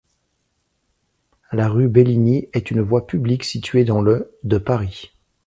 La rue Bellini est une voie publique située dans le de Paris.